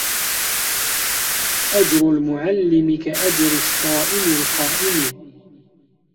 أَجْرُ الْمُعَلِّمِ كَأَجْرِ الصَّائِمِ الْقَائِمِ